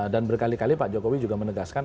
dan berkali kali pak jokowi juga menegaskan